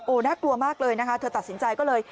น่ากลัวมากเลยนะคะเธอตัดสินใจก็เลย